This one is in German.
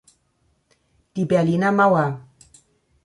Die Berliner Mauer“.